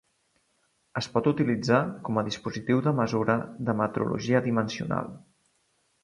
Es pot utilitzar com a dispositiu de mesura de metrologia dimensional.